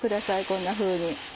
こんなふうに。